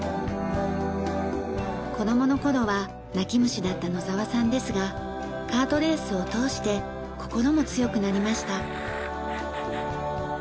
子どもの頃は泣き虫だった野澤さんですがカートレースを通して心も強くなりました。